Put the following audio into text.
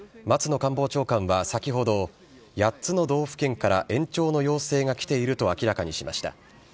松野官房長官は先ほど、８つの道府県から延長の要請が来ていると明らかにしました。